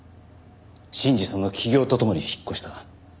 信二さんの起業とともに引っ越した。